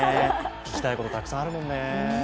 聞きたいことたくさんあるもんね。